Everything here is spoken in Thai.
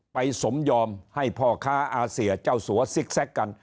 สมยอมให้พ่อค้าอาเซียเจ้าสัวซิกแซคกัน